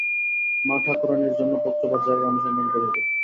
মা-ঠাকুরাণীর জন্য পত্রপাঠ জায়গা অনুসন্ধান করিবে।